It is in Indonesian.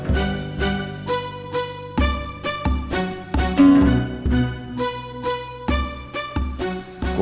tidak mungkin kum